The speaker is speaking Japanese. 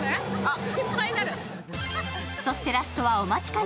そしてラストはお待ちかね。